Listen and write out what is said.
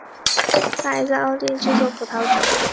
他还在奥地利制作葡萄酒。